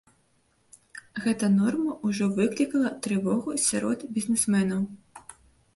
Гэта норма ўжо выклікала трывогу сярод бізнэсменаў.